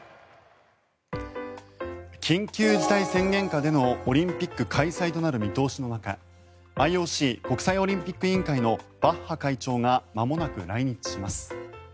緊急事態宣言下でのオリンピック開催となる見通しの中ＩＯＣ・国際オリンピック委員会のバッハ会長がまもなく来日します。